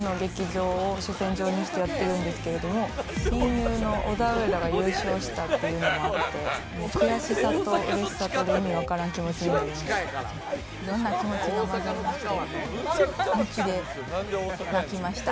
大阪の地下の劇場を主戦場にしてやってるんですけど、親友のオダウエダが優勝したっていうのもあって、悔しさとうれしさとで、意味分からん気持ちになりました。